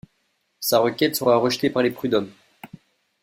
Sa requête sera rejetée par les Prud'hommes.